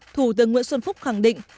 thủ tướng nguyễn xuân phúc khẳng định